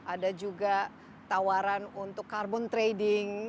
ada juga tawaran untuk carbon trading